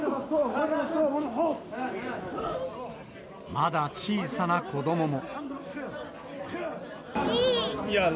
まだ小さな子どもも。